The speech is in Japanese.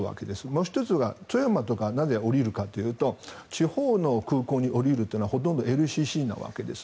もう１つは、富山とかになぜ降りるかというと地方の空港に降りるというのはほとんどＬＣＣなわけです。